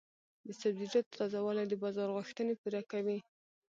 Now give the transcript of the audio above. د سبزیجاتو تازه والي د بازار غوښتنې پوره کوي.